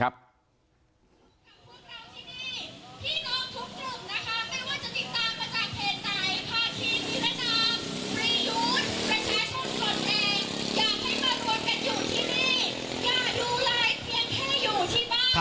อยากให้มารวมเป็นอยู่ที่นี่อยากดูไลน์เพียงแค่อยู่ที่บ้าน